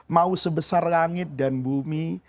mau sebesar langit dan bumi